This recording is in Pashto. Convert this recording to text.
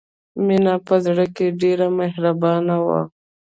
مینه په زړه کې ډېره مهربانه وه